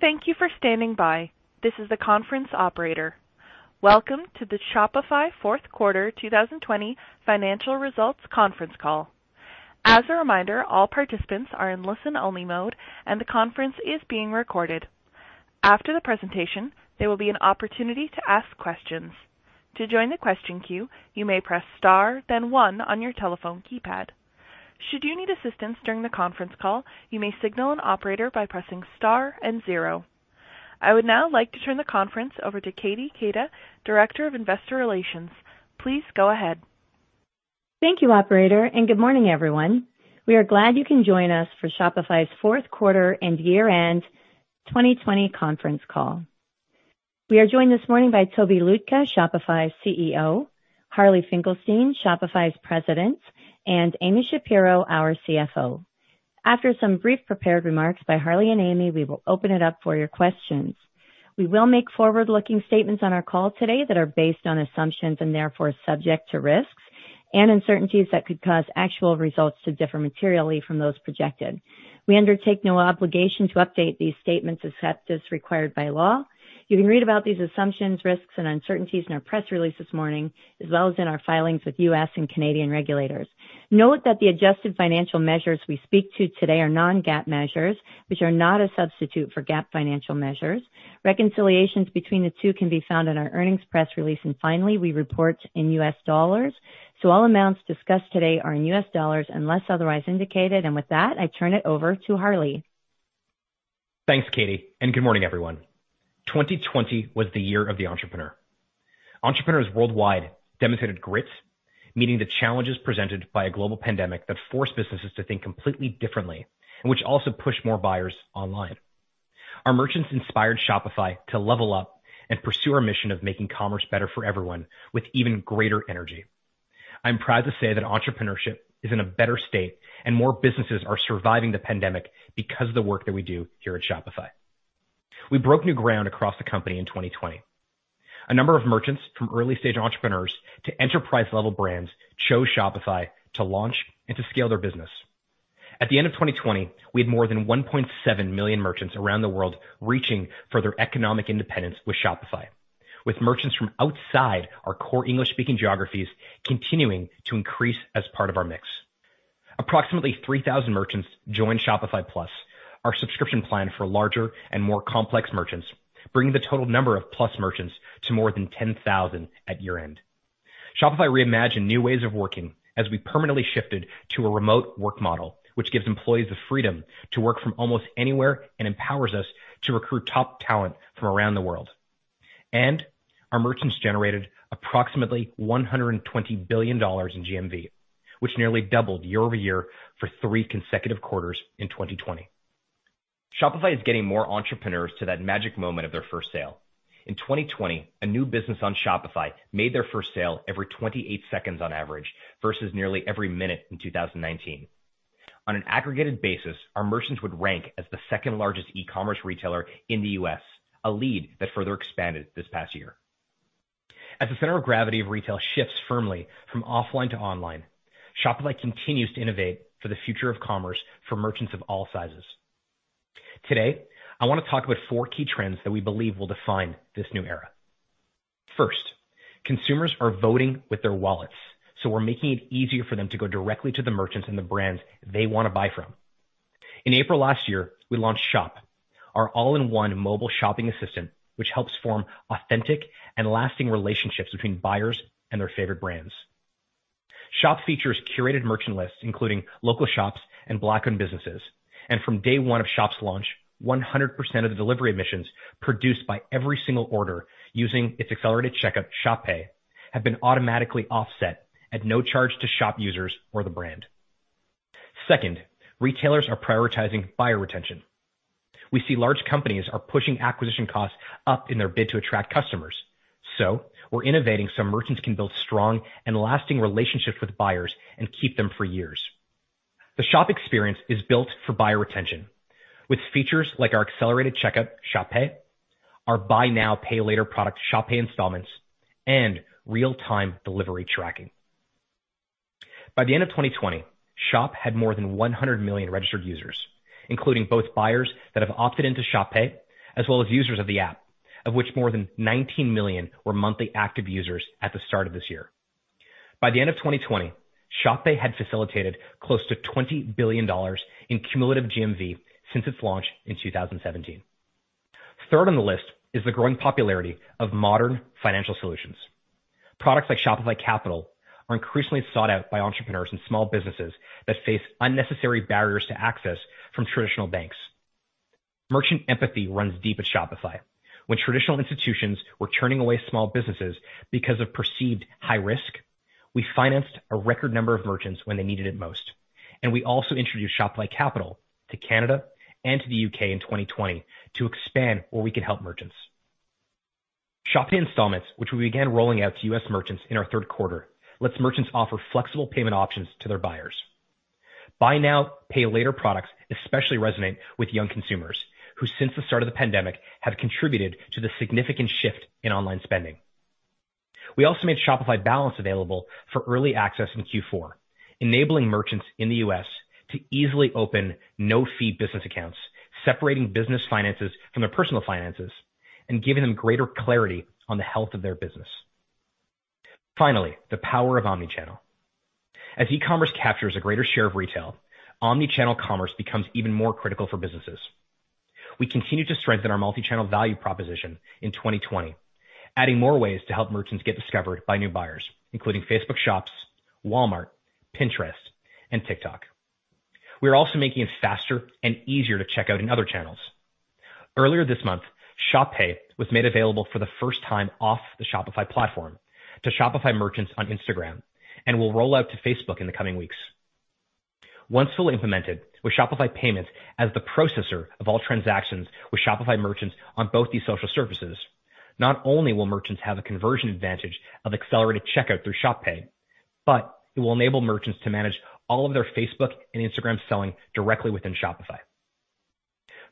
Thank you for standing by. This is the conference operator. Welcome to the Shopify Fourth Quarter 2020 financial results conference call. As a reminder, all participants are in listen-only mode, and the conference is being recorded. After the presentation, there will be an opportunity to ask questions. To join the question queue, you may press star then one on your telephone keypad. Should you need assistance during the conference call, you may signal an operator by pressing star and zero. I would now like to turn the conference over to Katie Keita, Director of Investor Relations. Please go ahead. Thank you, operator. Good morning, everyone. We are glad you can join us for Shopify's fourth quarter and year-end 2020 conference call. We are joined this morning by Tobi Lütke, Shopify's CEO, Harley Finkelstein, Shopify's President, and Amy Shapero, our CFO. After some brief prepared remarks by Harley and Amy, we will open it up for your questions. We will make forward-looking statements on our call today that are based on assumptions and therefore subject to risks and uncertainties that could cause actual results to differ materially from those projected. We undertake no obligation to update these statements except as required by law. You can read about these assumptions, risks, and uncertainties in our press release this morning, as well as in our filings with U.S. and Canadian regulators. Note that the adjusted financial measures we speak to today are non-GAAP measures, which are not a substitute for GAAP financial measures. Reconciliations between the two can be found in our earnings press release. Finally, we report in US dollars, so all amounts discussed today are in US dollars unless otherwise indicated. With that, I turn it over to Harley. Thanks, Katie, and good morning, everyone. 2020 was the year of the entrepreneur. Entrepreneurs worldwide demonstrated grit, meeting the challenges presented by a global pandemic that forced businesses to think completely differently and which also pushed more buyers online. Our merchants inspired Shopify to level up and pursue our mission of making commerce better for everyone with even greater energy. I'm proud to say that entrepreneurship is in a better state and more businesses are surviving the pandemic because of the work that we do here at Shopify. We broke new ground across the company in 2020. A number of merchants, from early-stage entrepreneurs to enterprise-level brands, chose Shopify to launch and to scale their business. At the end of 2020, we had more than 1.7 million merchants around the world reaching for their economic independence with Shopify, with merchants from outside our core English-speaking geographies continuing to increase as part of our mix. Approximately 3,000 merchants joined Shopify Plus, our subscription plan for larger and more complex merchants, bringing the total number of Plus merchants to more than 10,000 at year-end. Shopify reimagined new ways of working as we permanently shifted to a remote work model, which gives employees the freedom to work from almost anywhere and empowers us to recruit top talent from around the world. Our merchants generated approximately $120 billion in GMV, which nearly doubled year-over-year for three consecutive quarters in 2020. Shopify is getting more entrepreneurs to that magic moment of their first sale. In 2020, a new business on Shopify made their first sale every 28 seconds on average, versus nearly every minute in 2019. On an aggregated basis, our merchants would rank as the second-largest e-commerce retailer in the U.S., a lead that further expanded this past year. As the center of gravity of retail shifts firmly from offline to online, Shopify continues to innovate for the future of commerce for merchants of all sizes. Today, I want to talk about four key trends that we believe will define this new era. First, consumers are voting with their wallets, we're making it easier for them to go directly to the merchants and the brands they want to buy from. In April last year, we launched Shop, our all-in-one mobile shopping assistant, which helps form authentic and lasting relationships between buyers and their favorite brands. Shop features curated merchant lists, including local shops and Black-owned businesses. From day one of Shop's launch, 100% of the delivery emissions produced by every single order using its accelerated checkout, Shop Pay, have been automatically offset at no charge to Shop users or the brand. Second, retailers are prioritizing buyer retention. We see large companies are pushing acquisition costs up in their bid to attract customers. We're innovating so merchants can build strong and lasting relationships with buyers and keep them for years. The Shop experience is built for buyer retention with features like our accelerated checkout, Shop Pay, our buy now, pay later product, Shop Pay Installments, and real-time delivery tracking. By the end of 2020, Shop had more than 100 million registered users, including both buyers that have opted into Shop Pay, as well as users of the app, of which more than 19 million were monthly active users at the start of this year. By the end of 2020, Shop Pay had facilitated close to $20 billion in cumulative GMV since its launch in 2017. Third on the list is the growing popularity of modern financial solutions. Products like Shopify Capital are increasingly sought out by entrepreneurs and small businesses that face unnecessary barriers to access from traditional banks. Merchant empathy runs deep at Shopify. When traditional institutions were turning away small businesses because of perceived high risk, we financed a record number of merchants when they needed it most. We also introduced Shopify Capital to Canada and to the U.K. in 2020 to expand where we could help merchants. Shop Pay Installments, which we began rolling out to U.S. merchants in our 3rd quarter, lets merchants offer flexible payment options to their buyers. Buy now, pay later products especially resonate with young consumers, who since the start of the pandemic, have contributed to the significant shift in online spending. We also made Shopify Balance available for early access in Q4, enabling merchants in the U.S. to easily open no-fee business accounts, separating business finances from their personal finances, and giving them greater clarity on the health of their business. Finally, the power of omnichannel. As e-commerce captures a greater share of retail, omnichannel commerce becomes even more critical for businesses. We continue to strengthen our multi-channel value proposition in 2020, adding more ways to help merchants get discovered by new buyers, including Facebook Shops, Walmart, Pinterest, and TikTok. We're also making it faster and easier to check out in other channels. Earlier this month, Shop Pay was made available for the first time off the Shopify platform to Shopify merchants on Instagram and will roll out to Facebook in the coming weeks. Once fully implemented, with Shopify Payments as the processor of all transactions with Shopify merchants on both these social services, not only will merchants have a conversion advantage of accelerated checkout through Shop Pay, but it will enable merchants to manage all of their Facebook and Instagram selling directly within Shopify.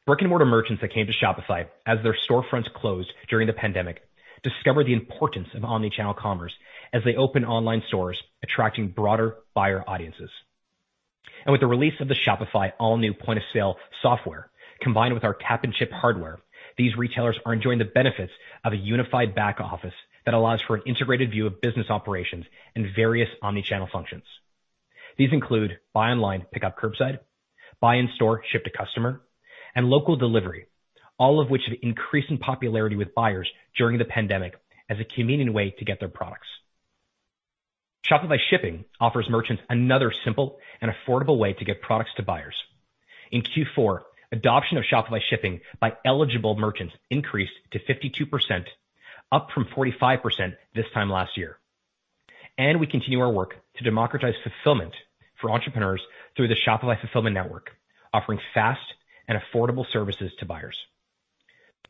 Brick-and-mortar merchants that came to Shopify as their storefronts closed during the pandemic discovered the importance of omnichannel commerce as they opened online stores attracting broader buyer audiences. With the release of the Shopify all-new point-of-sale software, combined with our tap-and-chip hardware, these retailers are enjoying the benefits of a unified back office that allows for an integrated view of business operations and various omnichannel functions. These include buy online, pick up curbside, buy in store, ship to customer, and local delivery, all of which have increased in popularity with buyers during the pandemic as a convenient way to get their products. Shopify Shipping offers merchants another simple and affordable way to get products to buyers. In Q4, adoption of Shopify Shipping by eligible merchants increased to 52%, up from 45% this time last year. We continue our work to democratize fulfillment for entrepreneurs through the Shopify Fulfillment Network, offering fast and affordable services to buyers.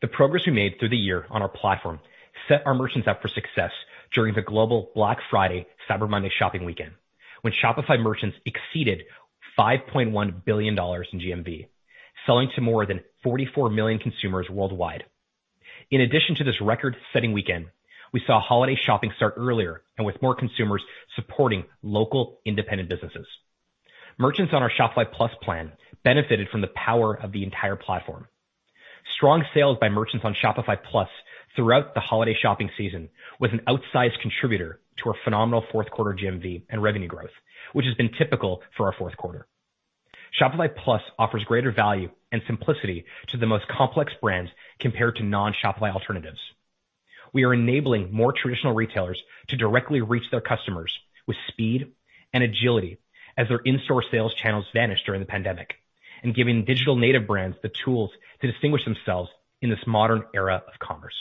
The progress we made through the year on our platform set our merchants up for success during the global Black Friday, Cyber Monday shopping weekend, when Shopify merchants exceeded $5.1 billion in GMV, selling to more than 44 million consumers worldwide. In addition to this record-setting weekend, we saw holiday shopping start earlier and with more consumers supporting local independent businesses. Merchants on our Shopify Plus plan benefited from the power of the entire platform. Strong sales by merchants on Shopify Plus throughout the holiday shopping season was an outsized contributor to our phenomenal fourth quarter GMV and revenue growth, which has been typical for our fourth quarter. Shopify Plus offers greater value and simplicity to the most complex brands compared to non-Shopify alternatives. We are enabling more traditional retailers to directly reach their customers with speed and agility as their in-store sales channels vanish during the pandemic, and giving digital native brands the tools to distinguish themselves in this modern era of commerce.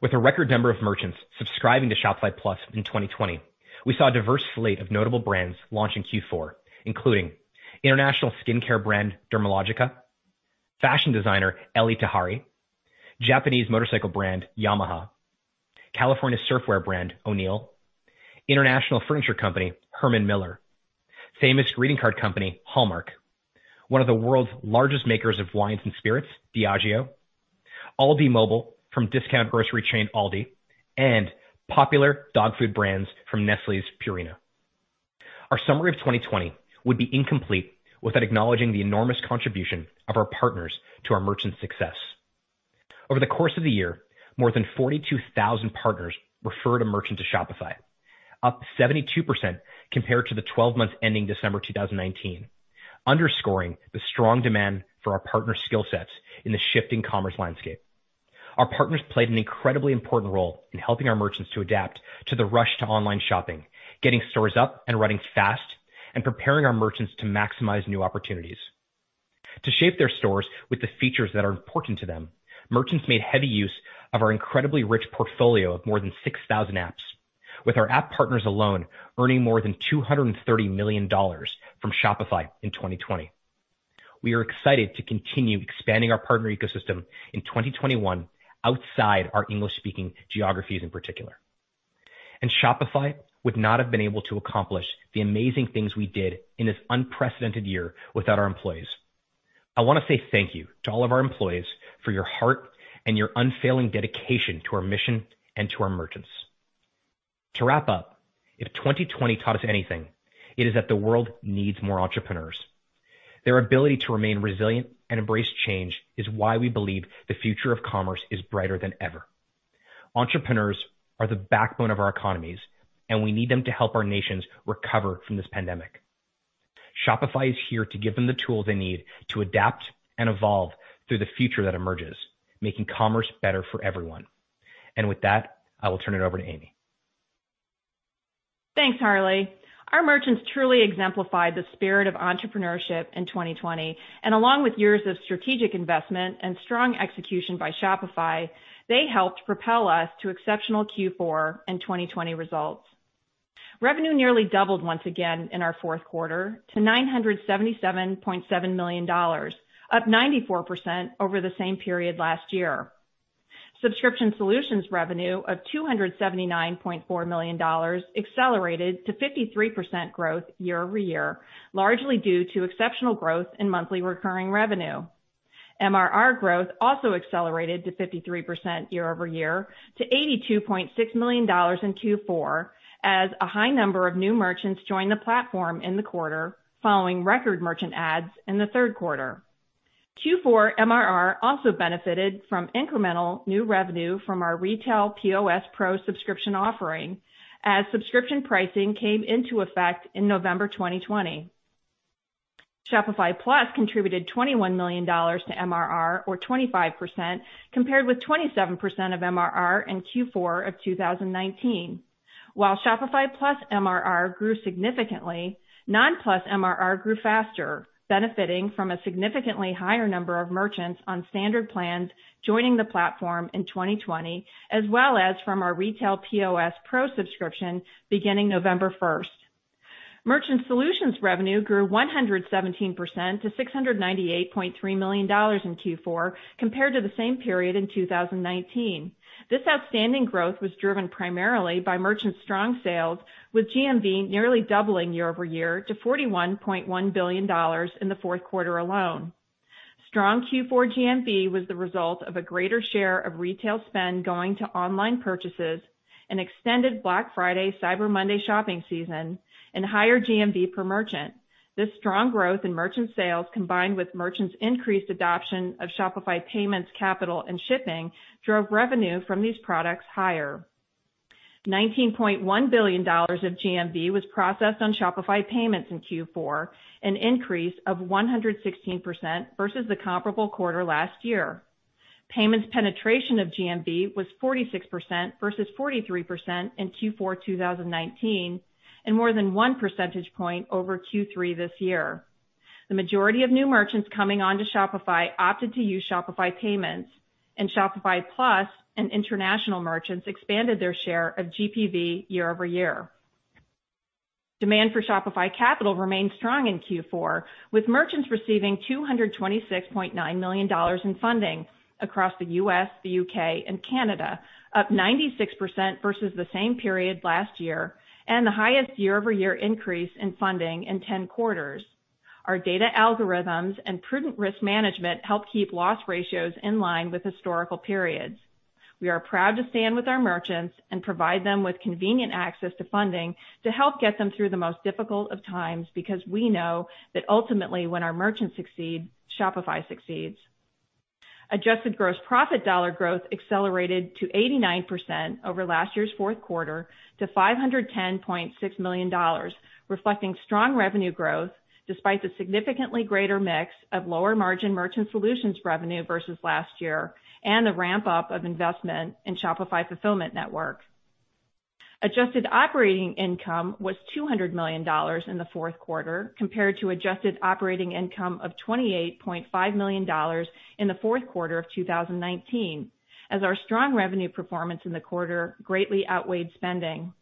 With a record number of merchants subscribing to Shopify Plus in 2020, we saw a diverse slate of notable brands launch in Q4, including international skincare brand Dermalogica, fashion designer Elie Tahari, Japanese motorcycle brand Yamaha, California surf wear brand O'Neill, international furniture company Herman Miller, famous greeting card company Hallmark, one of the world's largest makers of wines and spirits, Diageo, ALDI Mobile from discount grocery chain Aldi, and popular dog food brands from Nestlé's Purina. Our summary of 2020 would be incomplete without acknowledging the enormous contribution of our partners to our merchants' success. Over the course of the year, more than 42,000 partners referred a merchant to Shopify, up 72% compared to the 12 months ending December 2019, underscoring the strong demand for our partner skill sets in the shifting commerce landscape. Our partners played an incredibly important role in helping our merchants to adapt to the rush to online shopping, getting stores up and running fast, and preparing our merchants to maximize new opportunities. To shape their stores with the features that are important to them, merchants made heavy use of our incredibly rich portfolio of more than 6,000 apps, with our app partners alone earning more than $230 million from Shopify in 2020. We are excited to continue expanding our partner ecosystem in 2021 outside our English-speaking geographies in particular. Shopify would not have been able to accomplish the amazing things we did in this unprecedented year without our employees. I want to say thank you to all of our employees for your heart and your unfailing dedication to our mission and to our merchants. To wrap up, if 2020 taught us anything, it is that the world needs more entrepreneurs. Their ability to remain resilient and embrace change is why we believe the future of commerce is brighter than ever. Entrepreneurs are the backbone of our economies, and we need them to help our nations recover from this pandemic. Shopify is here to give them the tools they need to adapt and evolve through the future that emerges, making commerce better for everyone. With that, I will turn it over to Amy. Thanks, Harley. Our merchants truly exemplified the spirit of entrepreneurship in 2020, and along with years of strategic investment and strong execution by Shopify, they helped propel us to exceptional Q4 and 2020 results. Revenue nearly doubled once again in our fourth quarter to $977.7 million, up 94% over the same period last year. Subscription solutions revenue of $279.4 million accelerated to 53% growth year-over-year, largely due to exceptional growth in monthly recurring revenue. MRR growth also accelerated to 53% year-over-year to $82.6 million in Q4 as a high number of new merchants joined the platform in the quarter following record merchant adds in the third quarter. Q4 MRR also benefited from incremental new revenue from our retail POS Pro subscription offering as subscription pricing came into effect in November 2020. Shopify Plus contributed $21 million to MRR or 25%, compared with 27% of MRR in Q4 of 2019. Shopify Plus MRR grew significantly, non-Plus MRR grew faster, benefiting from a significantly higher number of merchants on standard plans joining the platform in 2020, as well as from our retail Shopify POS Pro subscription beginning November 1. Merchant Solutions revenue grew 117% to $698.3 million in Q4 compared to the same period in 2019. This outstanding growth was driven primarily by merchant strong sales, with GMV nearly doubling year-over-year to $41.1 billion in the fourth quarter alone. Strong Q4 GMV was the result of a greater share of retail spend going to online purchases and extended Black Friday/Cyber Monday shopping season and higher GMV per merchant. This strong growth in merchant sales, combined with merchants increased adoption of Shopify Payments, Capital, and shipping, drove revenue from these products higher. $19.1 billion of GMV was processed on Shopify Payments in Q4, an increase of 116% versus the comparable quarter last year. Payments penetration of GMV was 46% versus 43% in Q4 2019, and more than 1 percentage point over Q3 this year. The majority of new merchants coming onto Shopify opted to use Shopify Payments, and Shopify Plus and international merchants expanded their share of GPV year-over-year. Demand for Shopify Capital remained strong in Q4, with merchants receiving $226.9 million in funding across the U.S., the U.K., and Canada, up 96% versus the same period last year and the highest year-over-year increase in funding in 10 quarters. Our data algorithms and prudent risk management help keep loss ratios in line with historical periods. We are proud to stand with our merchants and provide them with convenient access to funding to help get them through the most difficult of times, because we know that ultimately, when our merchants succeed, Shopify succeeds. Adjusted gross profit dollar growth accelerated to 89% over last year's fourth quarter to $510.6 million, reflecting strong revenue growth despite the significantly greater mix of lower-margin merchant solutions revenue versus last year and the ramp-up of investment in Shopify Fulfillment Network. Adjusted operating income was $200 million in the fourth quarter compared to adjusted operating income of $28.5 million in the fourth quarter of 2019 as our strong revenue performance in the quarter greatly outweighed spending.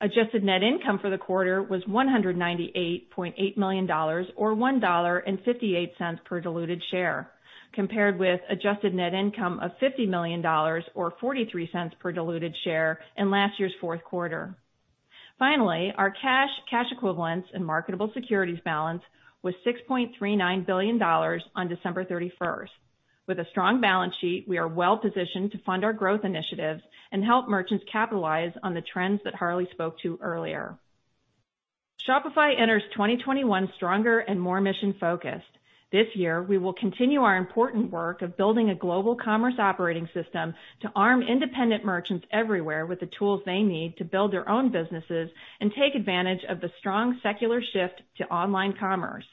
Adjusted net income for the quarter was $198.8 million or $1.58 per diluted share, compared with adjusted net income of $50 million or $0.43 per diluted share in last year's fourth quarter. Our cash equivalents and marketable securities balance was $6.39 billion on December 31st. With a strong balance sheet, we are well-positioned to fund our growth initiatives and help merchants capitalize on the trends that Harley spoke to earlier. Shopify enters 2021 stronger and more mission-focused. This year, we will continue our important work of building a global commerce operating system to arm independent merchants everywhere with the tools they need to build their own businesses and take advantage of the strong secular shift to online commerce.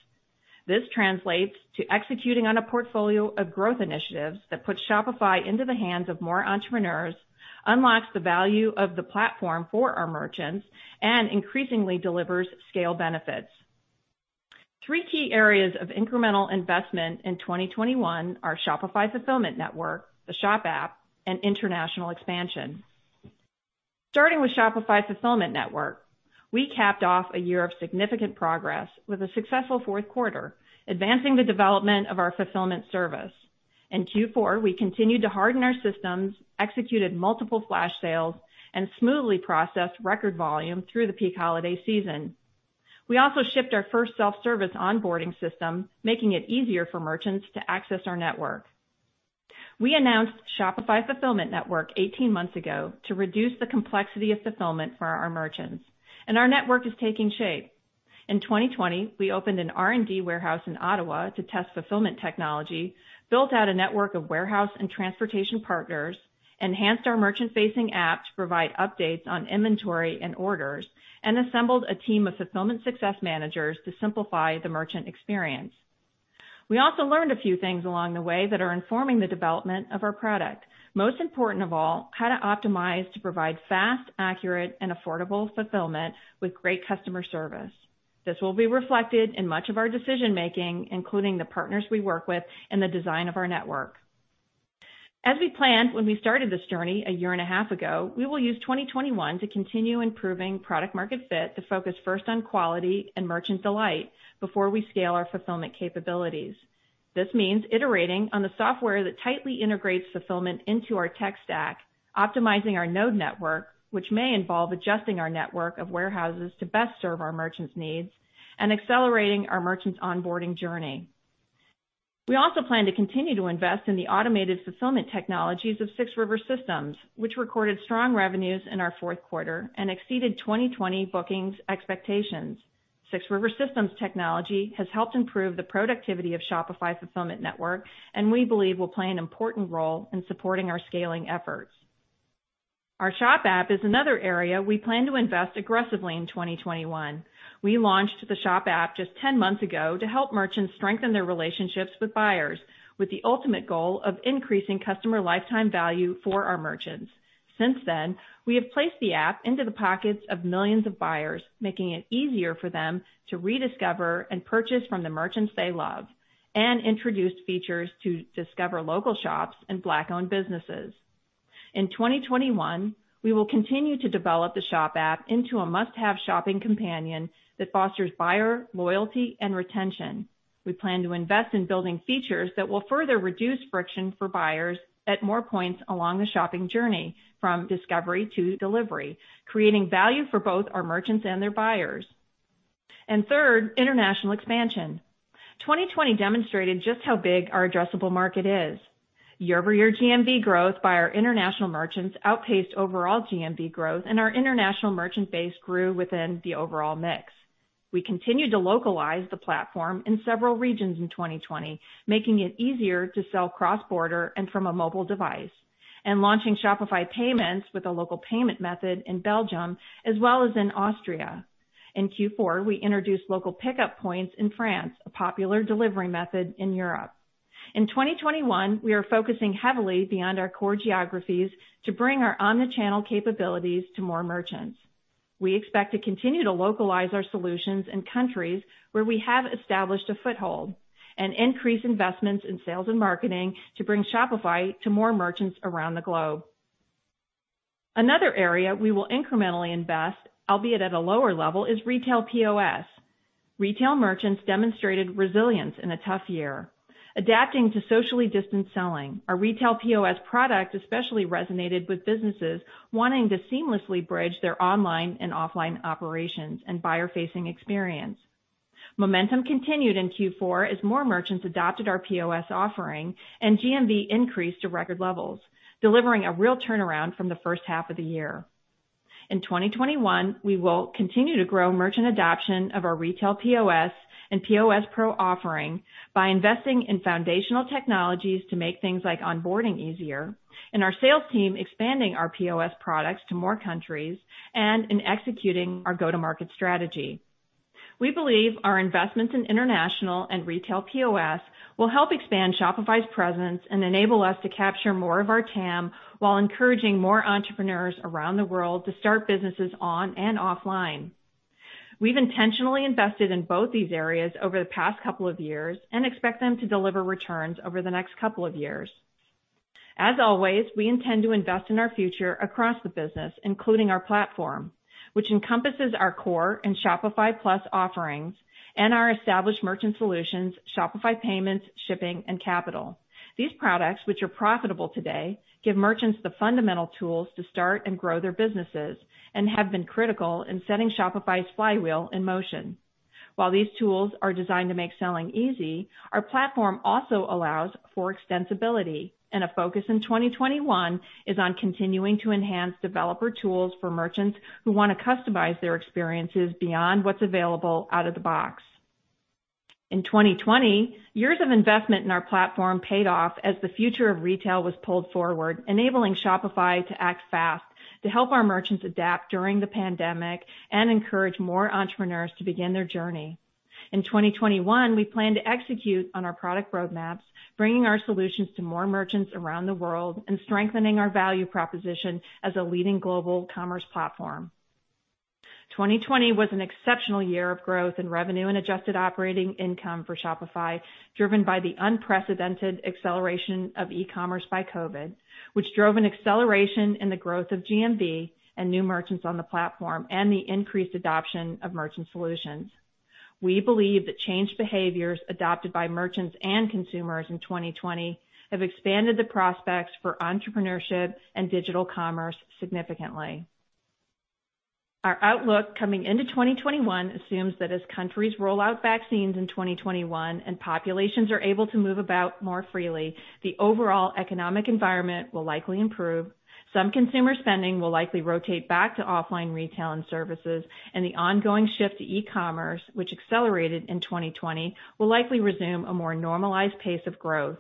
This translates to executing on a portfolio of growth initiatives that puts Shopify into the hands of more entrepreneurs, unlocks the value of the platform for our merchants, and increasingly delivers scale benefits. three key areas of incremental investment in 2021 are Shopify Fulfillment Network, the Shop app, and international expansion. Starting with Shopify Fulfillment Network, we capped off a year of significant progress with a successful fourth quarter, advancing the development of our fulfillment service. In Q4, we continued to harden our systems, executed multiple flash sales, and smoothly processed record volume through the peak holiday season. We also shipped our first self-service onboarding system, making it easier for merchants to access our network. We announced Shopify Fulfillment Network 18 months ago to reduce the complexity of fulfillment for our merchants, and our network is taking shape. In 2020, we opened an R&D warehouse in Ottawa to test fulfillment technology, built out a network of warehouse and transportation partners, enhanced our merchant-facing app to provide updates on inventory and orders, and assembled a team of fulfillment success managers to simplify the merchant experience. We also learned a few things along the way that are informing the development of our product. Most important of all, how to optimize to provide fast, accurate, and affordable fulfillment with great customer service. This will be reflected in much of our decision-making, including the partners we work with and the design of our network. As we planned when we started this journey a year and a half ago, we will use 2021 to continue improving product-market fit to focus first on quality and merchant delight before we scale our fulfillment capabilities. This means iterating on the software that tightly integrates fulfillment into our tech stack, optimizing our node network, which may involve adjusting our network of warehouses to best serve our merchants' needs, and accelerating our merchants' onboarding journey. We also plan to continue to invest in the automated fulfillment technologies of 6 River Systems, which recorded strong revenues in our fourth quarter and exceeded 2020 bookings expectations. 6 River Systems technology has helped improve the productivity of Shopify Fulfillment Network, and we believe will play an important role in supporting our scaling efforts. Our Shop app is another area we plan to invest aggressively in 2021. We launched the Shop app just 10 months ago to help merchants strengthen their relationships with buyers, with the ultimate goal of increasing customer lifetime value for our merchants. Since then, we have placed the app into the pockets of millions of buyers, making it easier for them to rediscover and purchase from the merchants they love, and introduced features to discover local shops and Black-owned businesses. In 2021, we will continue to develop the Shop app into a must-have shopping companion that fosters buyer loyalty and retention. We plan to invest in building features that will further reduce friction for buyers at more points along the shopping journey, from discovery to delivery, creating value for both our merchants and their buyers. Third, international expansion. 2020 demonstrated just how big our addressable market is. Year-over-year GMV growth by our international merchants outpaced overall GMV growth, and our international merchant base grew within the overall mix. We continued to localize the platform in several regions in 2020, making it easier to sell cross-border and from a mobile device, and launching Shopify Payments with a local payment method in Belgium as well as in Austria. In Q4, we introduced local pickup points in France, a popular delivery method in Europe. In 2021, we are focusing heavily beyond our core geographies to bring our omnichannel capabilities to more merchants. We expect to continue to localize our solutions in countries where we have established a foothold and increase investments in sales and marketing to bring Shopify to more merchants around the globe. Another area we will incrementally invest, albeit at a lower level, is retail POS. Retail merchants demonstrated resilience in a tough year, adapting to socially distant selling. Our retail POS product especially resonated with businesses wanting to seamlessly bridge their online and offline operations and buyer-facing experience. Momentum continued in Q4 as more merchants adopted our POS offering and GMV increased to record levels, delivering a real turnaround from the first half of the year. In 2021, we will continue to grow merchant adoption of our retail POS and POS Pro offering by investing in foundational technologies to make things like onboarding easier and our sales team expanding our POS products to more countries and in executing our go-to-market strategy. We believe our investments in international and retail POS will help expand Shopify's presence and enable us to capture more of our TAM while encouraging more entrepreneurs around the world to start businesses on and offline. We've intentionally invested in both these areas over the past couple of years and expect them to deliver returns over the next couple of years. As always, we intend to invest in our future across the business, including our platform, which encompasses our core and Shopify Plus offerings and our established merchant solutions, Shopify Payments, Shipping, and Capital. These products, which are profitable today, give merchants the fundamental tools to start and grow their businesses and have been critical in setting Shopify's flywheel in motion. While these tools are designed to make selling easy, our platform also allows for extensibility, and a focus in 2021 is on continuing to enhance developer tools for merchants who want to customize their experiences beyond what's available out of the box. In 2020, years of investment in our platform paid off as the future of retail was pulled forward, enabling Shopify to act fast to help our merchants adapt during the pandemic and encourage more entrepreneurs to begin their journey. In 2021, we plan to execute on our product roadmaps, bringing our solutions to more merchants around the world and strengthening our value proposition as a leading global commerce platform. 2020 was an exceptional year of growth in revenue and adjusted operating income for Shopify, driven by the unprecedented acceleration of e-commerce by COVID, which drove an acceleration in the growth of GMV and new merchants on the platform and the increased adoption of merchant solutions. We believe that changed behaviors adopted by merchants and consumers in 2020 have expanded the prospects for entrepreneurship and digital commerce significantly. Our outlook coming into 2021 assumes that as countries roll out vaccines in 2021 and populations are able to move about more freely, the overall economic environment will likely improve. Some consumer spending will likely rotate back to offline retail and services, and the ongoing shift to e-commerce, which accelerated in 2020, will likely resume a more normalized pace of growth.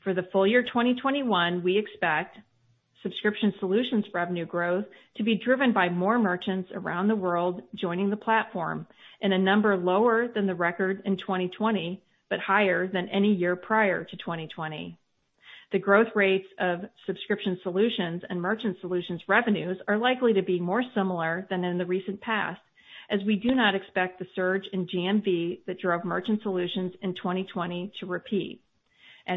For the full year 2021, we expect subscription solutions revenue growth to be driven by more merchants around the world joining the platform in a number lower than the record in 2020, but higher than any year prior to 2020. The growth rates of subscription solutions and merchant solutions revenues are likely to be more similar than in the recent past, as we do not expect the surge in GMV that drove merchant solutions in 2020 to repeat.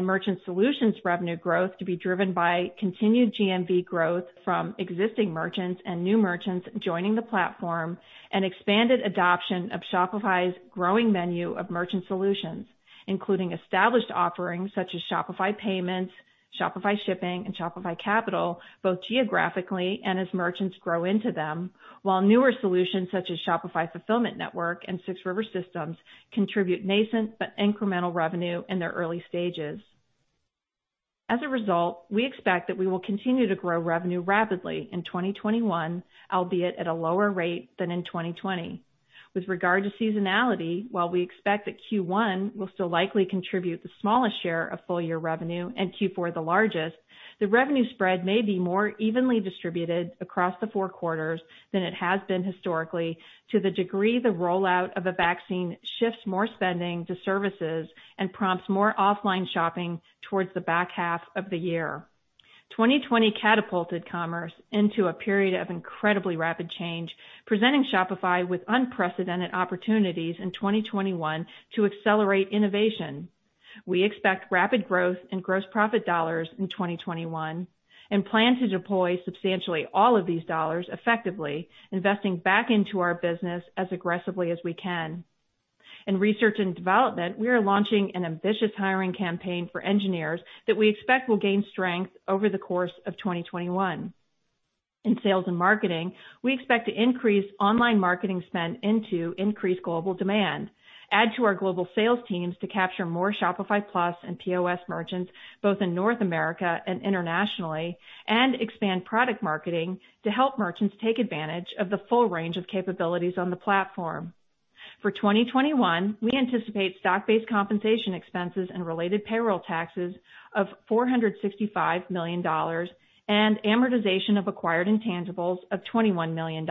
Merchant solutions revenue growth to be driven by continued GMV growth from existing merchants and new merchants joining the platform and expanded adoption of Shopify's growing menu of merchant solutions, including established offerings such as Shopify Payments, Shopify Shipping, and Shopify Capital, both geographically and as merchants grow into them, while newer solutions such as Shopify Fulfillment Network and 6 River Systems contribute nascent but incremental revenue in their early stages. As a result, we expect that we will continue to grow revenue rapidly in 2021, albeit at a lower rate than in 2020. With regard to seasonality, while we expect that Q1 will still likely contribute the smallest share of full-year revenue and Q4 the largest, the revenue spread may be more evenly distributed across the four quarters than it has been historically to the degree the rollout of a vaccine shifts more spending to services and prompts more offline shopping towards the back half of the year. 2020 catapulted commerce into a period of incredibly rapid change, presenting Shopify with unprecedented opportunities in 2021 to accelerate innovation. We expect rapid growth in gross profit dollars in 2021 and plan to deploy substantially all of these dollars effectively, investing back into our business as aggressively as we can. In research and development, we are launching an ambitious hiring campaign for engineers that we expect will gain strength over the course of 2021. In sales and marketing, we expect to increase online marketing spend into increased global demand, add to our global sales teams to capture more Shopify Plus and POS merchants both in North America and internationally, and expand product marketing to help merchants take advantage of the full range of capabilities on the platform. For 2021, we anticipate stock-based compensation expenses and related payroll taxes of $465 million and amortization of acquired intangibles of $21 million.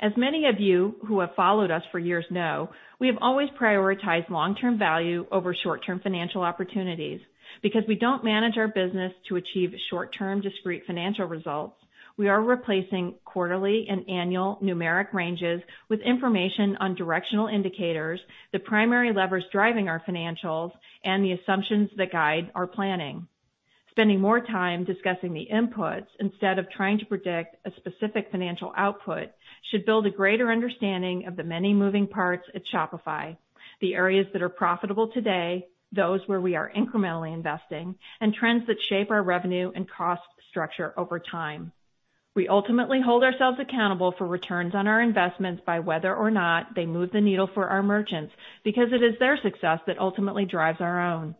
As many of you who have followed us for years know, we have always prioritized long-term value over short-term financial opportunities. Because we don't manage our business to achieve short-term discrete financial results, we are replacing quarterly and annual numeric ranges with information on directional indicators, the primary levers driving our financials, and the assumptions that guide our planning. Spending more time discussing the inputs instead of trying to predict a specific financial output should build a greater understanding of the many moving parts at Shopify, the areas that are profitable today, those where we are incrementally investing, and trends that shape our revenue and cost structure over time. We ultimately hold ourselves accountable for returns on our investments by whether or not they move the needle for our merchants because it is their success that ultimately drives our own.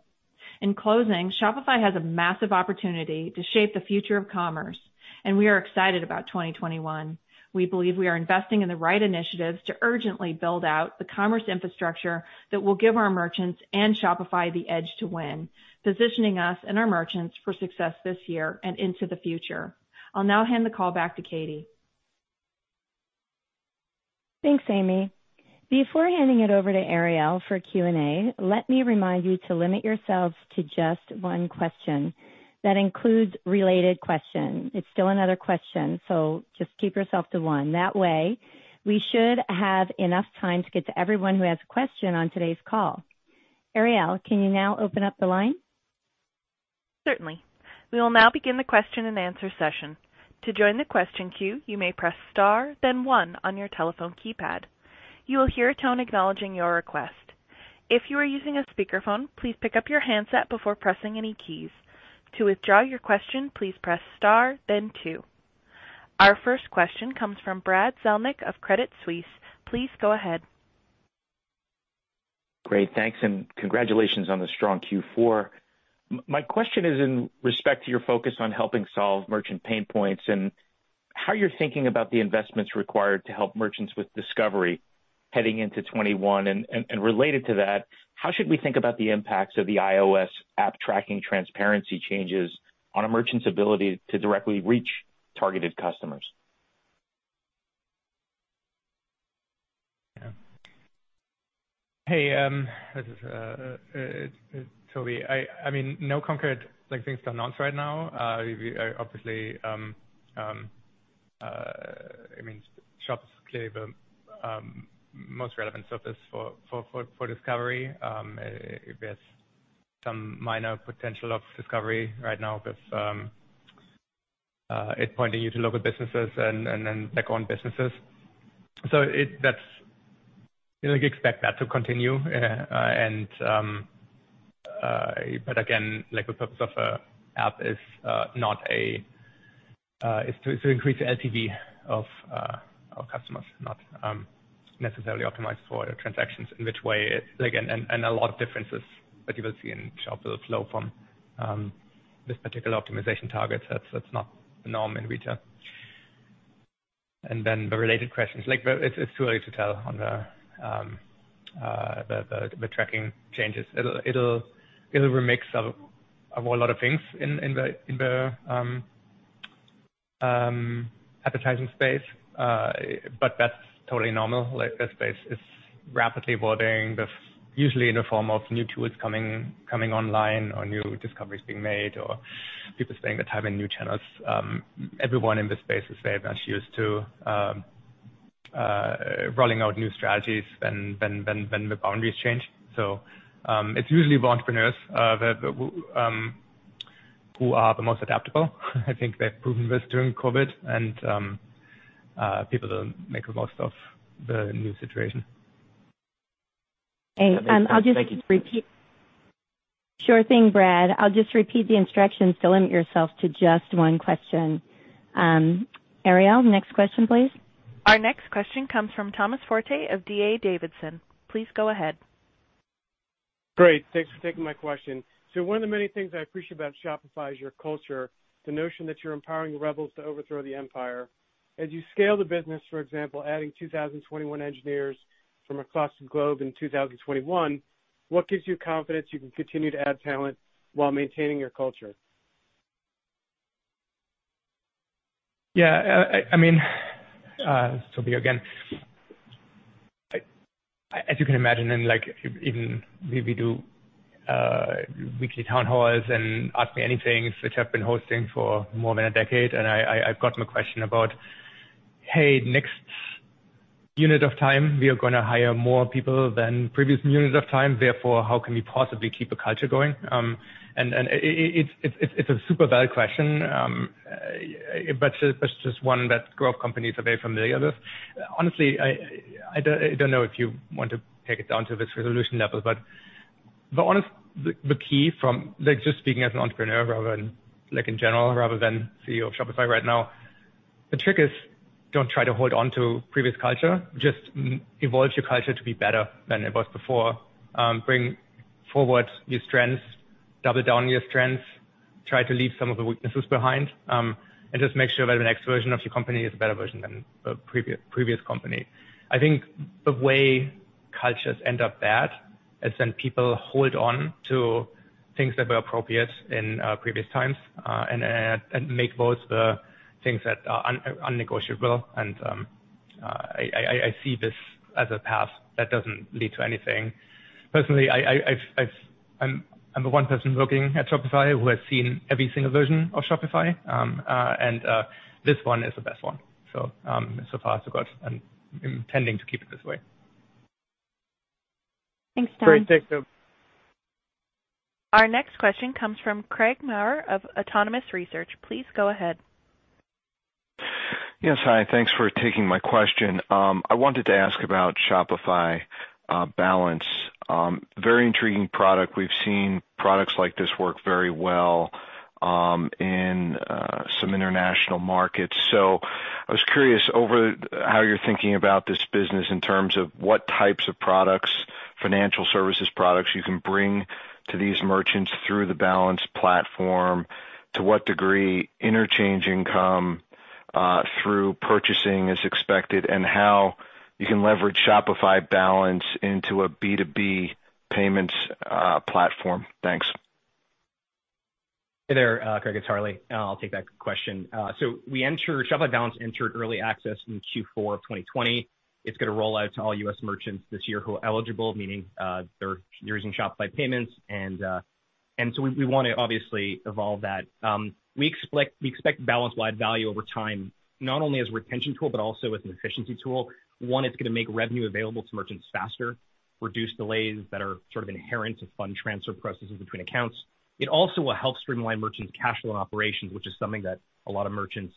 In closing, Shopify has a massive opportunity to shape the future of commerce, and we are excited about 2021. We believe we are investing in the right initiatives to urgently build out the commerce infrastructure that will give our merchants and Shopify the edge to win, positioning us and our merchants for success this year and into the future. I'll now hand the call back to Katie. Thanks, Amy. Before handing it over to Ariel for Q&A, let me remind you to limit yourselves to just one question. That includes related question. It's still another question, just keep yourself to one. That way, we should have enough time to get to everyone who has a question on today's call. Ariel, can you now open up the line? Certainly. We will now begin the question-and-answer session. To join the question queue you may press star then one on your telephone keypad. You will hear a tone acknowledging your request. If you are using a speakerphone please pick of your handset before pressing any keys. To withdraw your question please press star then two. Our first question comes from Brad Zelnick of Credit Suisse. Please go ahead. Great. Thanks. Congratulations on the strong Q4. My question is in respect to your focus on helping solve merchant pain points and how you're thinking about the investments required to help merchants with discovery heading into 21. Related to that, how should we think about the impacts of the iOS App Tracking Transparency changes on a merchant's ability to directly reach targeted customers? Yeah. Hey, this is Tobi. I mean, no concrete, like, things to announce right now. We obviously, I mean, Shop is clearly the most relevant surface for discovery. There's some minor potential of discovery right now with it pointing you to local businesses and then Black-owned businesses. That's, you know, we expect that to continue. But again, like the purpose of a app is not to increase the LTV of customers, not necessarily optimized for transactions in which way it's Like, and a lot of differences that you will see in Shop will flow from this particular optimization targets. That's not the norm in retail. Then the related questions. Like, it's too early to tell on the tracking changes. It'll remix a whole lot of things in the advertising space. That's totally normal. Like, the space is rapidly evolving, but usually in the form of new tools coming online or new discoveries being made, or people spending their time in new channels. Everyone in this space is very much used to rolling out new strategies when the boundaries change. It's usually the entrepreneurs who are the most adaptable. I think they've proven this during COVID and people that make the most of the new situation. Hey, I'll just. Thank you. Sure thing, Brad. I'll just repeat the instructions to limit yourself to just one question. Ariel, next question, please. Our next question comes from Thomas Forte of D.A. Davidson. Please go ahead. Great. Thanks for taking my question. One of the many things I appreciate about Shopify is your culture, the notion that you're empowering the rebels to overthrow the empire. As you scale the business, for example, adding 2,021 engineers from across the globe in 2021, what gives you confidence you can continue to add talent while maintaining your culture? I mean, this is Tobi again. As you can imagine, and like even we do weekly town halls and ask me anythings, which I've been hosting for more than a decade, and I've gotten a question about, "Hey, next unit of time, we are gonna hire more people than previous units of time. Therefore, how can we possibly keep a culture going?" It's a super valid question. It's just one that growth companies are very familiar with. Honestly, I don't know if you want to take it down to this resolution level, but the key from just speaking as an entrepreneur rather than in general rather than CEO of Shopify right now, the trick is don't try to hold on to previous culture. Just evolve your culture to be better than it was before. Bring forward your strengths, double down your strengths, try to leave some of the weaknesses behind, and just make sure that the next version of your company is a better version than the previous company. I think the way cultures end up bad is when people hold on to things that were appropriate in previous times, and make those the things that are unnegotiable. I see this as a path that doesn't lead to anything. Personally, I am the one person working at Shopify who has seen every single version of Shopify. This one is the best one. So far so good, and I'm intending to keep it this way. Thanks, Tom. Great. Thanks, Tobi. Our next question comes from Craig Maurer of Autonomous Research. Please go ahead. Yes, hi. Thanks for taking my question. I wanted to ask about Shopify Balance. Very intriguing product. We've seen products like this work very well in some international markets. I was curious over how you're thinking about this business in terms of what types of products, financial services products you can bring to these merchants through the Balance platform, to what degree interchange income through purchasing is expected, and how you can leverage Shopify Balance into a B2B payments platform? Thanks. Hey there, Craig. It's Harley. I'll take that question. Shopify Balance entered early access in Q4 of 2020. It's gonna roll out to all U.S. merchants this year who are eligible, meaning, they're using Shopify Payments and we wanna obviously evolve that. We expect Balance to add value over time, not only as a retention tool but also as an efficiency tool. One, it's gonna make revenue available to merchants faster, reduce delays that are sort of inherent to fund transfer processes between accounts. It also will help streamline merchants' cash flow and operations, which is something that a lot of merchants,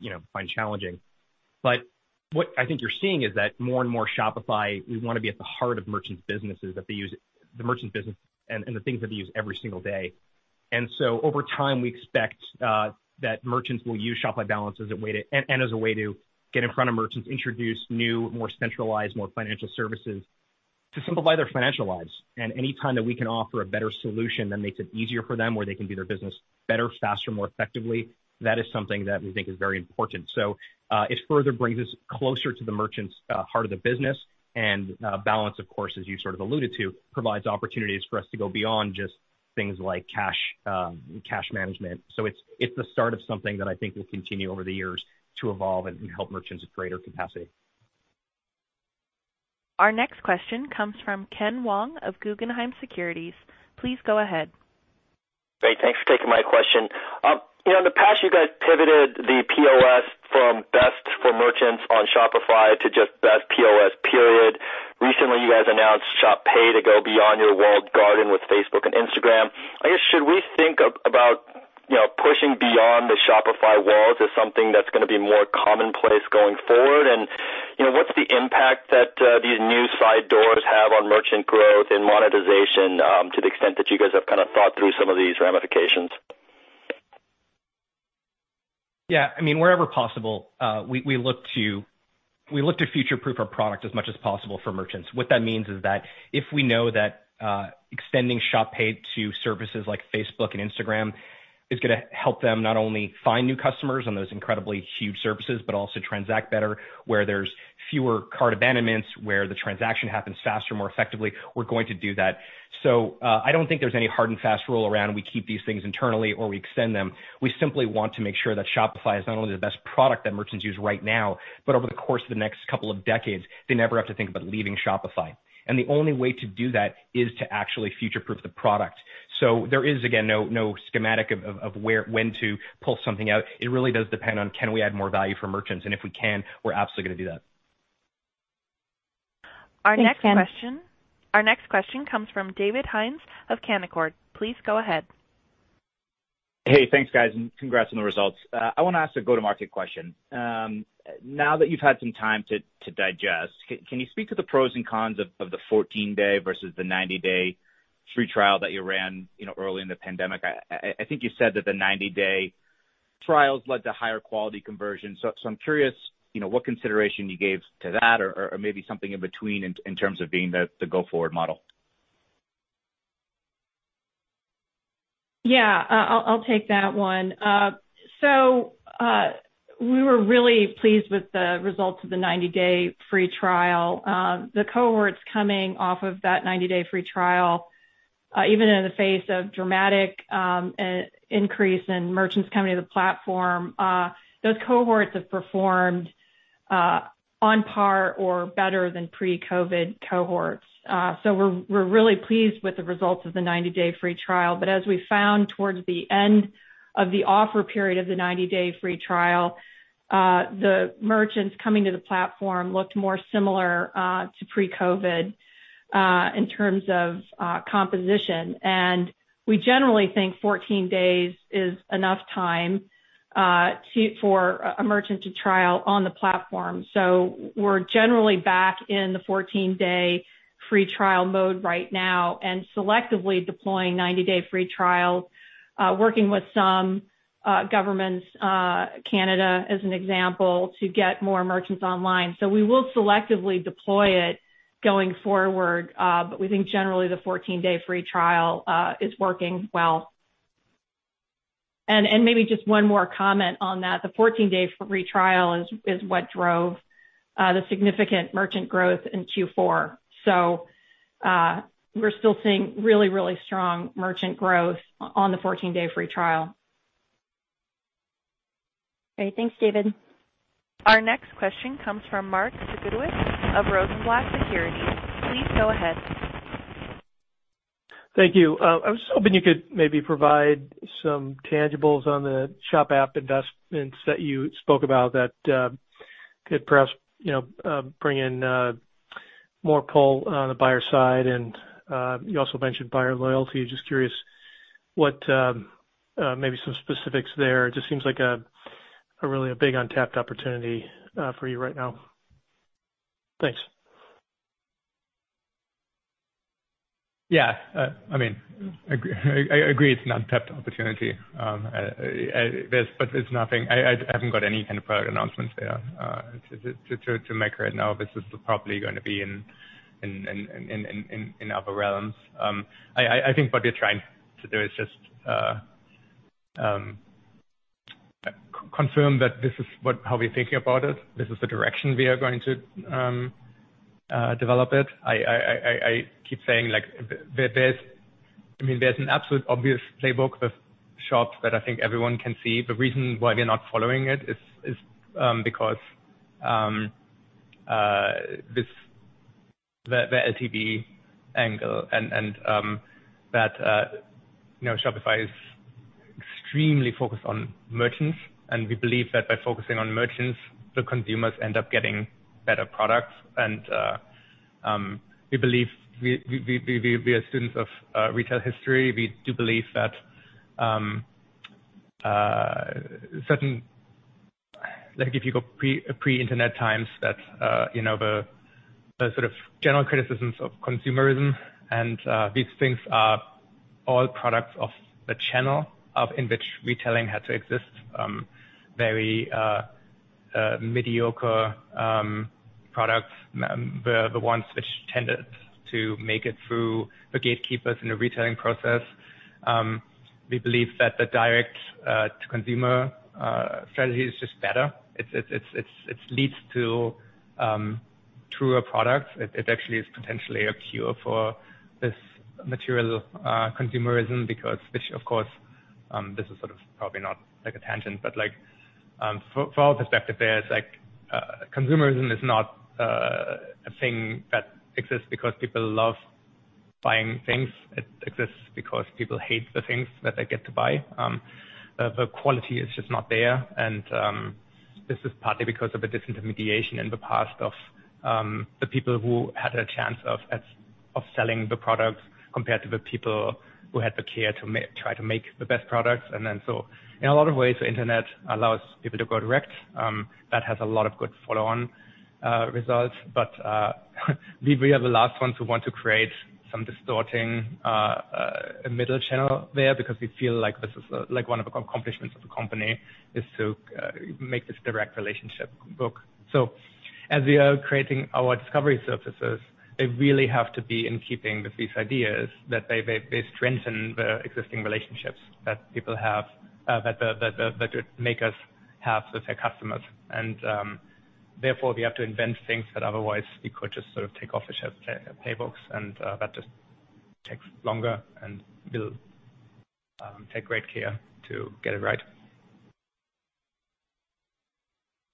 you know, find challenging. What I think you're seeing is that more and more Shopify, we wanna be at the heart of merchants' businesses that they use, the merchants' business and the things that they use every single day. Over time, we expect that merchants will use Shopify Balance as a way to get in front of merchants, introduce new, more centralized, more financial services to simplify their financial lives. Anytime that we can offer a better solution that makes it easier for them, where they can do their business better, faster, more effectively, that is something that we think is very important. It further brings us closer to the merchant's heart of the business. Balance, of course, as you sort of alluded to, provides opportunities for us to go beyond just things like cash management. It's the start of something that I think will continue over the years to evolve and help merchants with greater capacity. Our next question comes from Ken Wong of Guggenheim Securities. Please go ahead. Great. Thanks for taking my question. You know, in the past, you guys pivoted the POS from best for merchants on Shopify to just best POS, period. Recently, you guys announced Shop Pay to go beyond your walled garden with Facebook and Instagram. I guess, should we think about, you know, pushing beyond the Shopify walls as something that's gonna be more commonplace going forward? What's the impact that these new side doors have on merchant growth and monetization, to the extent that you guys have kinda thought through some of these ramifications? Yeah. I mean, wherever possible, we look to future-proof our product as much as possible for merchants. What that means is that if we know that extending Shop Pay to services like Facebook and Instagram is gonna help them not only find new customers on those incredibly huge services but also transact better, where there's fewer cart abandonments, where the transaction happens faster, more effectively, we're going to do that. I don't think there's any hard and fast rule around we keep these things internally or we extend them. We simply want to make sure that Shopify is not only the best product that merchants use right now, but over the course of the next couple of decades, they never have to think about leaving Shopify. The only way to do that is to actually future-proof the product. There is, again, no schematic of when to pull something out. It really does depend on can we add more value for merchants, and if we can, we're absolutely gonna do that. Our next question. Thanks, Ken. Our next question comes from David Hynes of Canaccord. Please go ahead. Hey, thanks, guys, Congrats on the results. I wanna ask a go-to-market question. Now that you've had some time to digest, can you speak to the pros and cons of the 14-day versus the 90-day? Free trial that you ran, you know, early in the pandemic. I think you said that the 90-day trials led to higher quality conversion. I'm curious, you know, what consideration you gave to that or maybe something in between in terms of being the go-forward model? Yeah. I'll take that one. We were really pleased with the results of the 90-day free trial. The cohorts coming off of that 90-day free trial, even in the face of dramatic increase in merchants coming to the platform, those cohorts have performed on par or better than pre-COVID cohorts. We're really pleased with the results of the 90-day free trial. As we found towards the end of the offer period of the 90-day free trial, the merchants coming to the platform looked more similar to pre-COVID in terms of composition. We generally think 14 days is enough time for a merchant to trial on the platform. We're generally back in the 14-day free trial mode right now and selectively deploying 90-day free trials, working with some governments, Canada as an example, to get more merchants online. We will selectively deploy it going forward, but we think generally the 14-day free trial is working well. Maybe just one more comment on that. The 14-day free trial is what drove the significant merchant growth in Q4. We're still seeing really strong merchant growth on the 14-day free trial. Okay. Thanks, David. Our next question comes from Mark Zgutowicz of Rosenblatt Securities. Please go ahead. Thank you. I was hoping you could maybe provide some tangibles on the Shop app investments that you spoke about that could perhaps, you know, bring in more pull on the buyer side. You also mentioned buyer loyalty. Just curious what maybe some specifics there. Just seems like a really big untapped opportunity for you right now? Thanks. I mean, I agree it's an untapped opportunity. But it's nothing I haven't got any kind of product announcements there to make right now. This is probably gonna be in other realms. I think what we're trying to do is just confirm that this is how we're thinking about it. This is the direction we are going to develop it. I keep saying, like, I mean, there's an absolute obvious playbook with Shop that I think everyone can see. The reason why we're not following it is because the LTV angle and that, you know, Shopify is extremely focused on merchants, and we believe that by focusing on merchants, the consumers end up getting better products. We believe we are students of retail history. We do believe that certain if you go pre-internet times that, you know, the sort of general criticisms of consumerism and these things are all products of the channel of in which retailing had to exist. Very mediocre products were the ones which tended to make it through the gatekeepers in the retailing process. We believe that the direct to consumer strategy is just better. It leads to truer products. It actually is potentially a cure for this material consumerism because which, of course, this is sort of probably not a tangent, but for our perspective there, it's consumerism is not a thing that exists because people love buying things. It exists because people hate the things that they get to buy. The quality is just not there. This is partly because of the disintermediation in the past of the people who had a chance of selling the products compared to the people who had the care to try to make the best products. In a lot of ways, the internet allows people to go direct. That has a lot of good follow-on results. We, we are the last ones who want to create some distorting middle channel there because we feel like this is like one of the accomplishments of the company, is to make this direct relationship book. As we are creating our discovery surfaces, they really have to be in keeping with these ideas that they strengthen the existing relationships that people have, that would make us have with their customers. Therefore, we have to invent things that otherwise we could just sort of take off the shelf playbooks. That just takes longer and we'll take great care to get it right.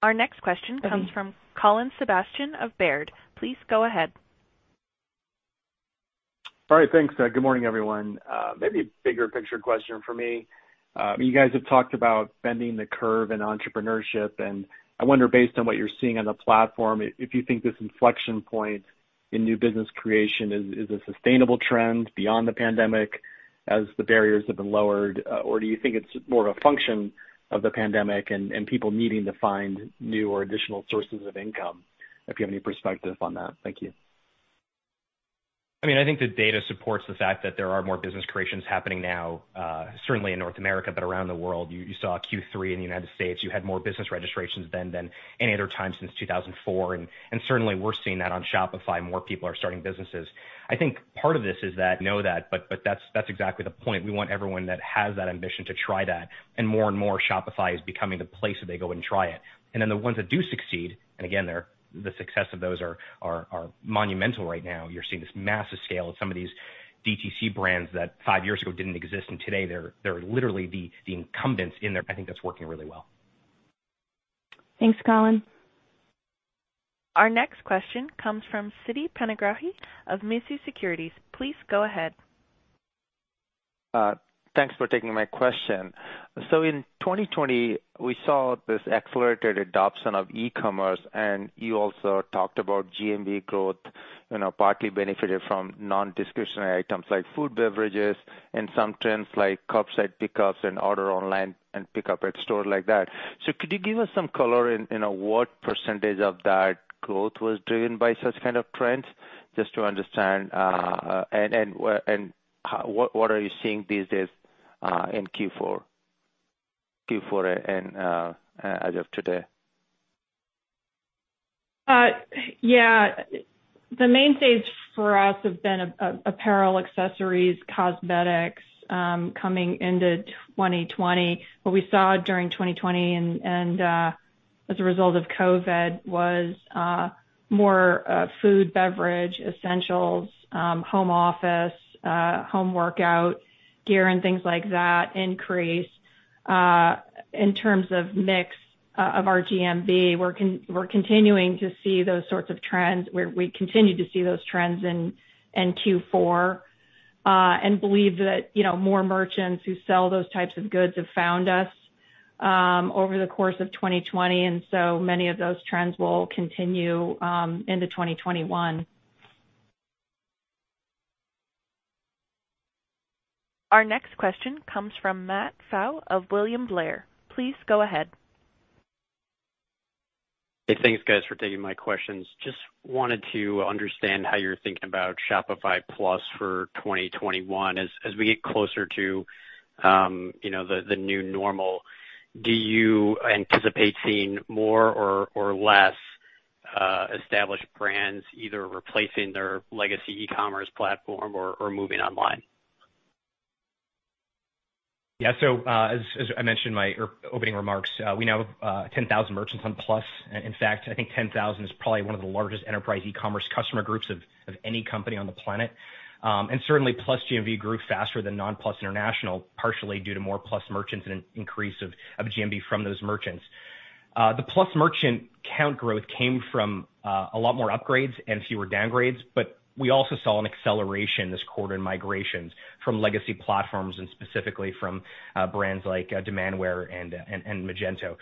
Our next question comes from Colin Sebastian of Baird. Please go ahead. All right. Thanks. Good morning, everyone. Maybe a bigger picture question for me. You guys have talked about bending the curve in entrepreneurship, I wonder, based on what you're seeing on the platform, if you think this inflection point in new business creation is a sustainable trend beyond the pandemic. As the barriers have been lowered, or do you think it's more of a function of the pandemic and people needing to find new or additional sources of income? If you have any perspective on that. Thank you. I mean, I think the data supports the fact that there are more business creations happening now, certainly in North America, but around the world. You saw Q3 in the United States, you had more business registrations then than any other time since 2004. Certainly we're seeing that on Shopify, more people are starting businesses. I think part of this is that know that, but that's exactly the point. We want everyone that has that ambition to try that. More and more Shopify is becoming the place that they go and try it. The ones that do succeed, and again, the success of those are monumental right now. You're seeing this massive scale of some of these DTC brands that five years ago didn't exist. Today they're literally the incumbents. I think that's working really well. Thanks, Colin. Our next question comes from Siti Panigrahi of Mizuho Securities. Please go ahead. Thanks for taking my question. In 2020, we saw this accelerated adoption of e-commerce, and you also talked about GMV growth, you know, partly benefited from non-discretionary items like food, beverages and some trends like curbside pickups and order online and pick up at store like that. Could you give us some color in, you know, what percentage of that growth was driven by such kind of trends, just to understand, and what are you seeing these days in Q4 and as of today? Yeah. The mainstays for us have been apparel, accessories, cosmetics, coming into 2020. What we saw during 2020 and, as a result of COVID, was more food, beverage, essentials, home office, home workout gear and things like that increase. In terms of mix of our GMV, we're continuing to see those sorts of trends where we continue to see those trends in Q4, and believe that, you know, more merchants who sell those types of goods have found us over the course of 2020, and so many of those trends will continue into 2021. Our next question comes from Matt Pfau of William Blair. Please go ahead. Hey, thanks guys for taking my questions. Just wanted to understand how you're thinking about Shopify Plus for 2021. As we get closer to, you know, the new normal, do you anticipate seeing more or less established brands either replacing their legacy e-commerce platform or moving online? As I mentioned in my opening remarks, we now have 10,000 merchants on Plus. In fact, I think 10,000 is probably one of the largest enterprise e-commerce customer groups of any company on the planet. Certainly Plus GMV grew faster than non-Plus international, partially due to more Plus merchants and an increase of GMV from those merchants. The Plus merchant count growth came from a lot more upgrades and fewer downgrades, we also saw an acceleration this quarter in migrations from legacy platforms and specifically from brands like Demandware and Magento.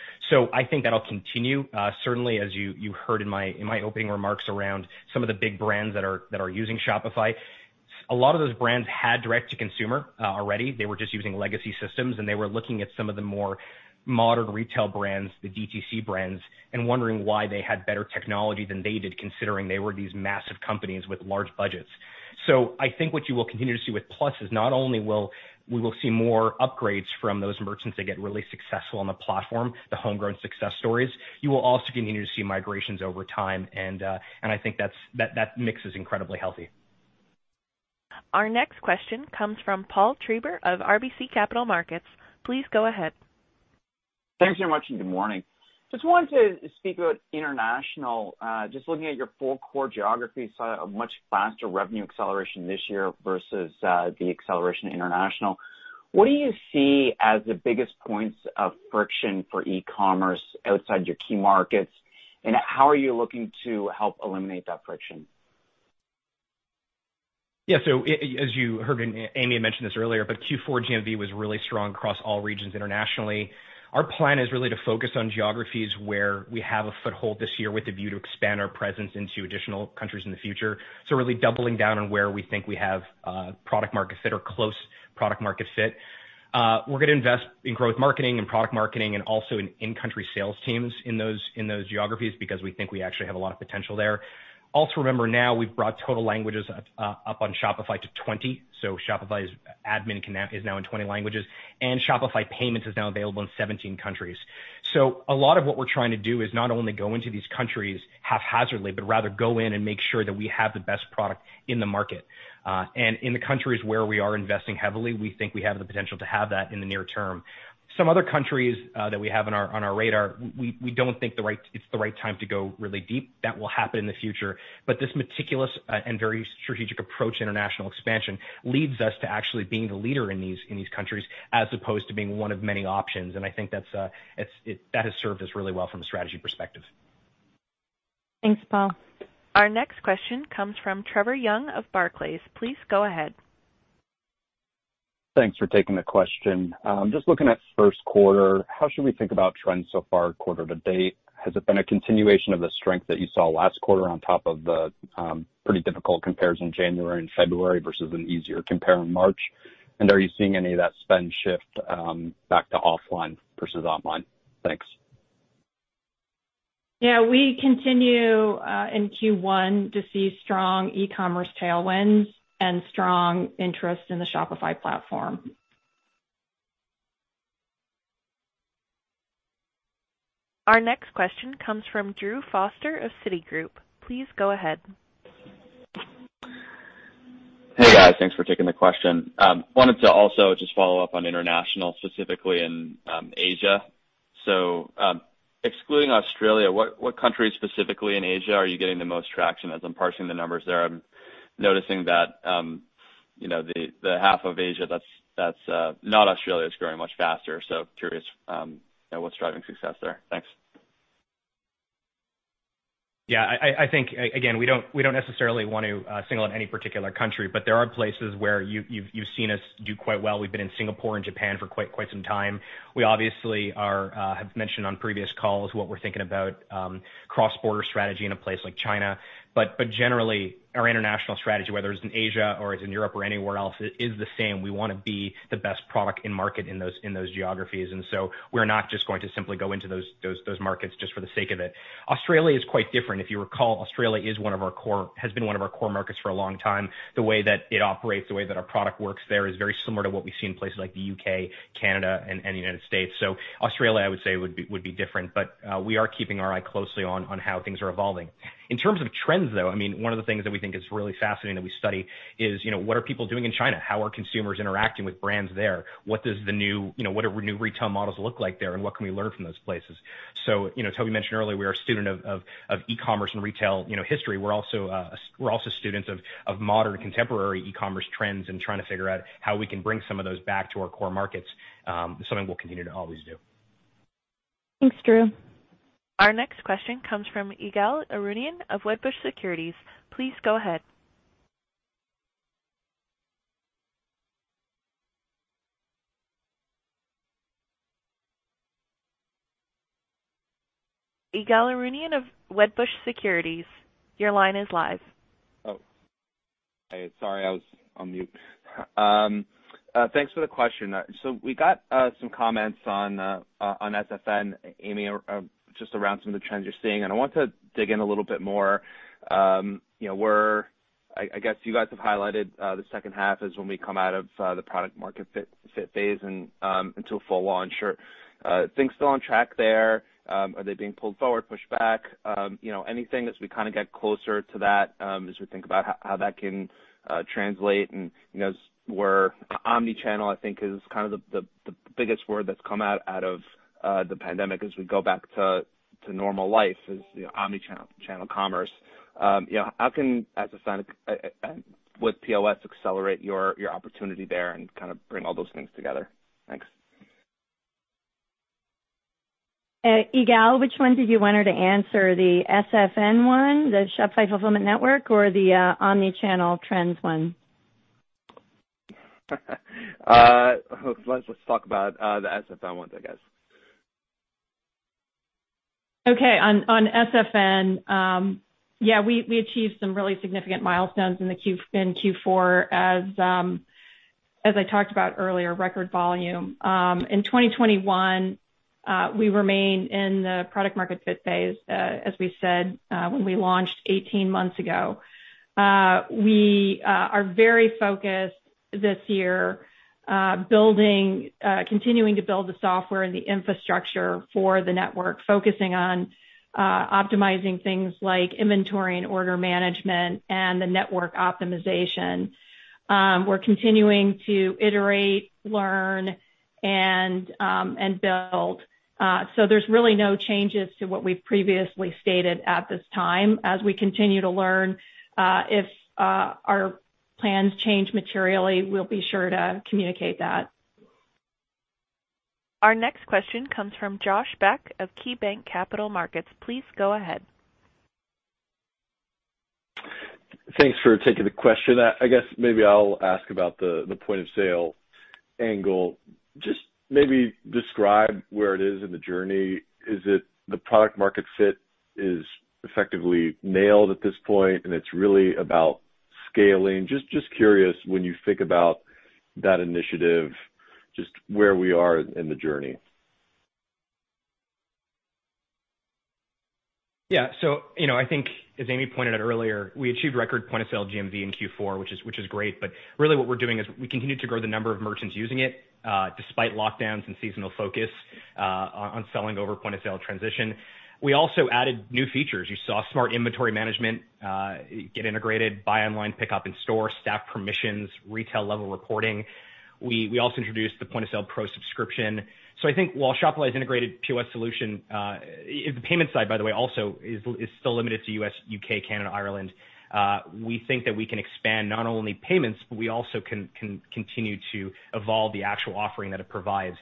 I think that'll continue. Certainly as you heard in my opening remarks around some of the big brands that are using Shopify. A lot of those brands had direct to consumer already. They were just using legacy systems, and they were looking at some of the more modern retail brands, the DTC brands, and wondering why they had better technology than they did, considering they were these massive companies with large budgets. I think what you will continue to see with Plus is not only we will see more upgrades from those merchants that get really successful on the platform, the homegrown success stories, you will also continue to see migrations over time. I think that mix is incredibly healthy. Our next question comes from Paul Treiber of RBC Capital Markets. Please go ahead. Thanks very much. Good morning. Just wanted to speak about international. Just looking at your full core geography, saw a much faster revenue acceleration this year versus the acceleration international. What do you see as the biggest points of friction for e-commerce outside your key markets, and how are you looking to help eliminate that friction? Yeah. As you heard, and Amy had mentioned this earlier, but Q4 GMV was really strong across all regions internationally. Our plan is really to focus on geographies where we have a foothold this year with a view to expand our presence into additional countries in the future. Really doubling down on where we think we have product market fit or close product market fit. We're gonna invest in growth marketing and product marketing and also in in-country sales teams in those geographies because we think we actually have a lot of potential there. Also remember now we've brought total languages up on Shopify to 20. Shopify's admin is now in 20 languages, and Shopify Payments is now available in 17 countries. A lot of what we're trying to do is not only go into these countries haphazardly, but rather go in and make sure that we have the best product in the market. In the countries where we are investing heavily, we think we have the potential to have that in the near term. Some other countries that we have on our radar, we don't think it's the right time to go really deep. That will happen in the future. This meticulous and very strategic approach to international expansion leads us to actually being the leader in these countries as opposed to being one of many options. I think that's that has served us really well from a strategy perspective. Thanks, Paul. Our next question comes from Trevor Young of Barclays. Please go ahead. Thanks for taking the question. Just looking at first quarter, how should we think about trends so far quarter to date? Has it been a continuation of the strength that you saw last quarter on top of the pretty difficult compares in January and February versus an easier compare in March? Are you seeing any of that spend shift back to offline versus online? Thanks. Yeah, we continue in Q1 to see strong e-commerce tailwinds and strong interest in the Shopify platform. Our next question comes from Drew Foster of Citigroup. Please go ahead. Hey, guys. Thanks for taking the question. I wanted to also just follow up on international, specifically in Asia. Excluding Australia, what countries specifically in Asia are you getting the most traction? As I'm parsing the numbers there, I'm noticing that, you know, the half of Asia that's not Australia is growing much faster. I'm curious, you know, what's driving success there? Thanks. Yeah. I think again, we don't necessarily want to single out any particular country, but there are places where you've seen us do quite well. We've been in Singapore and Japan for quite some time. We obviously have mentioned on previous calls what we're thinking about cross-border strategy in a place like China. Generally, our international strategy, whether it's in Asia or it's in Europe or anywhere else, it is the same. We wanna be the best product in market in those geographies. We're not just going to simply go into those markets just for the sake of it. Australia is quite different. If you recall, Australia has been one of our core markets for a long time. The way that it operates, the way that our product works there is very similar to what we see in places like the U.K., Canada, and United States. Australia, I would say, would be different. We are keeping our eye closely on how things are evolving. In terms of trends, though, I mean, one of the things that we think is really fascinating that we study is, you know, what are people doing in China? How are consumers interacting with brands there? What does the new, you know, what do new retail models look like there, and what can we learn from those places? You know, Tobi mentioned earlier, we are a student of e-commerce and retail, you know, history. We're also students of modern contemporary e-commerce trends and trying to figure out how we can bring some of those back to our core markets, something we'll continue to always do. Thanks, Drew. Our next question comes from Ygal Arounian of Wedbush Securities. Please go ahead. Ygal Arounian of Wedbush Securities, your line is live. Oh. Hey, sorry, I was on mute. Thanks for the question. We got some comments on SFN, Amy, just around some of the trends you're seeing, and I want to dig in a little bit more. You know, where I guess you guys have highlighted, the second half is when we come out of, the product market fit phase and into a full launch. Are things still on track there? Are they being pulled forward, pushed back? You know, anything as we kinda get closer to that, as we think about how that can translate and, you know, where omnichannel, I think, is kind of the biggest word that's come out of the pandemic as we go back to normal life is, you know, omnichannel, channel commerce. You know, how can POS accelerate your opportunity there and kind of bring all those things together? Thanks. Ygal, which one did you want her to answer? The SFN one, the Shopify Fulfillment Network, or the omnichannel trends one? Let's talk about the SFN one, I guess. Okay. On SFN, yeah, we achieved some really significant milestones in Q4 as I talked about earlier, record volume. In 2021, we remain in the product market fit phase, as we said, when we launched 18 months ago. We are very focused this year, building, continuing to build the software and the infrastructure for the network, focusing on optimizing things like inventory and order management and the network optimization. We're continuing to iterate, learn, and build. There's really no changes to what we've previously stated at this time. As we continue to learn, if our plans change materially, we'll be sure to communicate that. Our next question comes from Josh Beck of KeyBanc Capital Markets. Please go ahead. Thanks for taking the question. I guess maybe I'll ask about the point of sale angle. Just maybe describe where it is in the journey. Is it the product market fit is effectively nailed at this point, and it's really about scaling? Just curious when you think about that initiative, just where we are in the journey? You know, I think as Amy pointed out earlier, we achieved record point of sale GMV in Q4, which is great. Really what we're doing is we continue to grow the number of merchants using it, despite lockdowns and seasonal focus on selling over point of sale transition. We also added new features. You saw smart inventory management get integrated, buy online, pickup in store, staff permissions, retail level reporting. We also introduced the Shopify POS Pro subscription. I think while Shopify's integrated POS solution, the payment side, by the way, also is still limited to U.S., U.K., Canada, Ireland, we think that we can expand not only payments, but we also can continue to evolve the actual offering that it provides.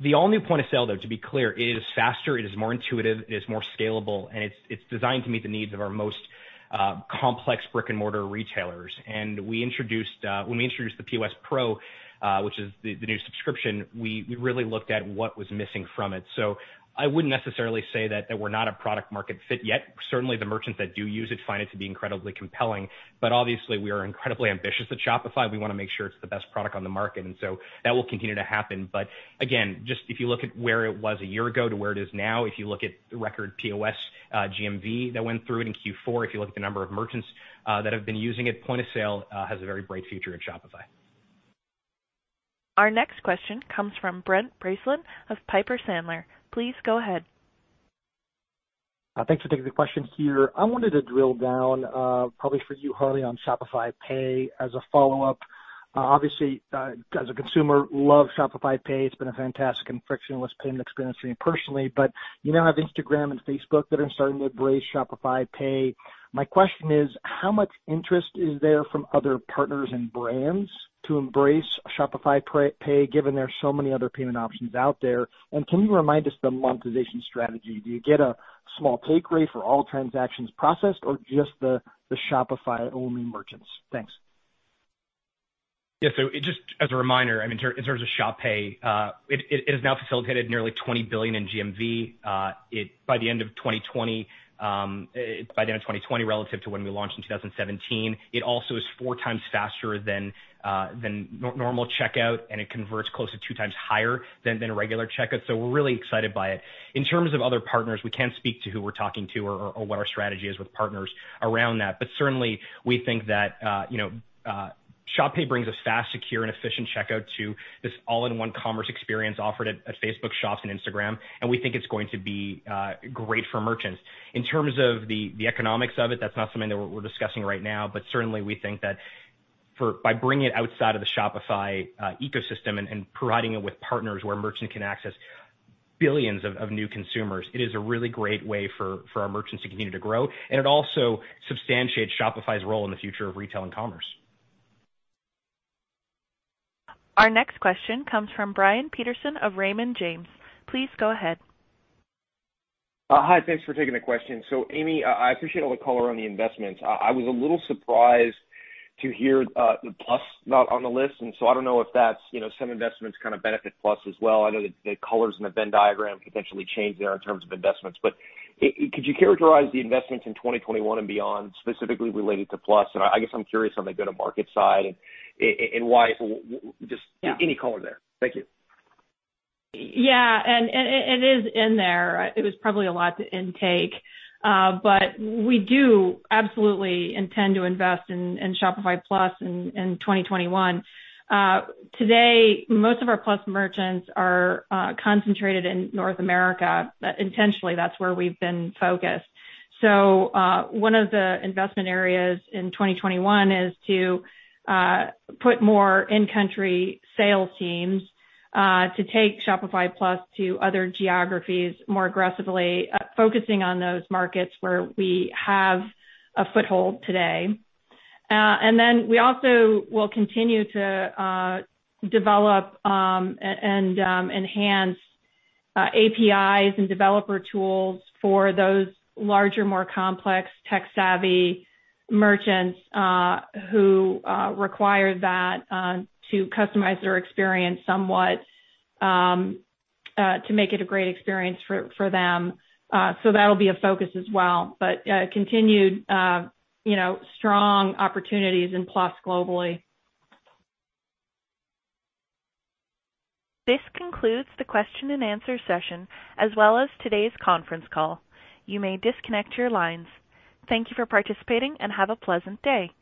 The all-new point of sale, though, to be clear, it is faster, it is more intuitive, it is more scalable, and it's designed to meet the needs of our most complex brick-and-mortar retailers. We introduced when we introduced the POS Pro, which is the new subscription, we really looked at what was missing from it. I wouldn't necessarily say that we're not a product market fit yet. Certainly, the merchants that do use it find it to be incredibly compelling. Obviously, we are incredibly ambitious at Shopify. We wanna make sure it's the best product on the market. That will continue to happen. Again, just if you look at where it was a year ago to where it is now, if you look at the record POS GMV that went through it in Q4, if you look at the number of merchants that have been using it, point of sale has a very bright future at Shopify. Our next question comes from Brent Bracelin of Piper Sandler. Please go ahead. Thanks for taking the question here. I wanted to drill down, probably for you, Harley, on Shopify Pay as a follow-up. Obviously, as a consumer, love Shopify Pay. It's been a fantastic and frictionless payment experience for me personally. You now have Instagram and Facebook that are starting to embrace Shopify Pay. My question is, how much interest is there from other partners and brands to embrace Shopify Pay, given there are so many other payment options out there? Can you remind us the monetization strategy? Do you get a small take rate for all transactions processed or just the Shopify-only merchants? Thanks. Yeah. Just as a reminder, I mean, in terms of Shop Pay, it has now facilitated nearly $20 billion in GMV. By the end of 2020, by the end of 2020 relative to when we launched in 2017. It also is four times faster than normal checkout, and it converts close to two times higher than a regular checkout, so we're really excited by it. In terms of other partners, we can't speak to who we're talking to or what our strategy is with partners around that. Certainly we think that, you know, Shop Pay brings us fast, secure and efficient checkout to this all-in-one commerce experience offered at Facebook Shops and Instagram, and we think it's going to be great for merchants. In terms of the economics of it, that's not something that we're discussing right now. Certainly we think that for, by bringing it outside of the Shopify ecosystem and providing it with partners where merchants can access billions of new consumers, it is a really great way for our merchants to continue to grow. It also substantiates Shopify's role in the future of retail and commerce. Our next question comes from Brian Peterson of Raymond James. Please go ahead. Hi. Thanks for taking the question. Amy, I appreciate all the color on the investments. I was a little surprised to hear the Plus not on the list, I don't know if that's, you know, some investments kind of benefit Plus as well. I know the colors in the Venn diagram potentially change there in terms of investments. Could you characterize the investments in 2021 and beyond, specifically related to Plus? I guess I'm curious on the go-to-market side and just any color there? Thank you. Yeah. It is in there. It was probably a lot to intake. We do absolutely intend to invest in Shopify Plus in 2021. Today, most of our Plus merchants are concentrated in North America. Intentionally, that's where we've been focused. One of the investment areas in 2021 is to put more in-country sales teams to take Shopify Plus to other geographies more aggressively, focusing on those markets where we have a foothold today. We also will continue to develop and enhance APIs and developer tools for those larger, more complex tech-savvy merchants who require that to customize their experience somewhat to make it a great experience for them. That'll be a focus as well. continued, you know, strong opportunities in Plus globally. This concludes the question and answer session as well as today's conference call. You may disconnect your lines. Thank you for participating, and have a pleasant day.